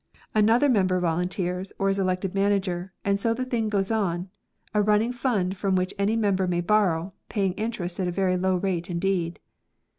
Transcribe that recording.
Another 48 LOAN SOCIETIES. member volunteers, or is elected manager, and so the thing goes on, a running fund from which any mem ber may borrow, paying interest at a very low rate indeed.